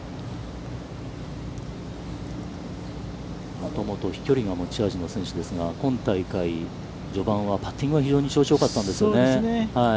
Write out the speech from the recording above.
もともと、飛距離が持ち味の選手ですが、今大会、序盤はパッティングは非常に調子がよかったんですよね。